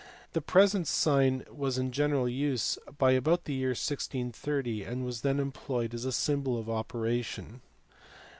The present sign was in general use by about the year 1630, and was then employed as a symbol of operation.